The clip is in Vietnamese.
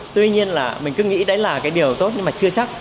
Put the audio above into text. tuy nhiên mình cứ nghĩ đấy là điều tốt nhưng mà chưa chắc